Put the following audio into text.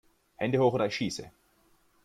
Hände hoch oder ich schieße!